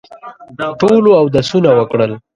ټولو اودسونه وکړل.